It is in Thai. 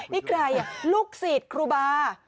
นี่ใครลูกศิษย์ครูบา